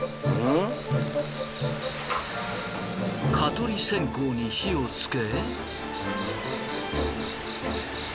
蚊取り線香に火をつけ。